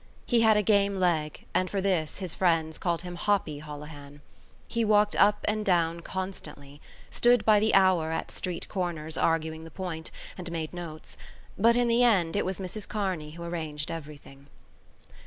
He had a game leg and for this his friends called him Hoppy Holohan. He walked up and down constantly, stood by the hour at street corners arguing the point and made notes; but in the end it was Mrs Kearney who arranged everything.